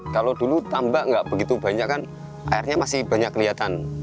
kalau dulu tambak nggak begitu banyak kan airnya masih banyak kelihatan